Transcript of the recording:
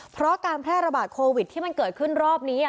เพราะการแพร่ระบาดโควิดที่มันเกิดขึ้นรอบนี้